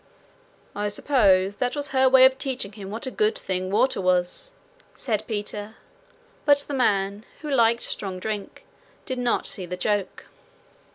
'I suppose that was her way of teaching him what a good thing water was,' said Peter; but the man, who liked strong drink, did not see the joke.